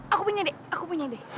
aku punya de aku punya de